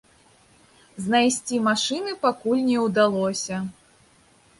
Знайсці машыны пакуль не ўдалося.